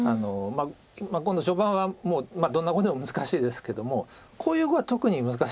碁の序盤はもうどんな碁でも難しいですけどもこういう碁は特に難しいですよね。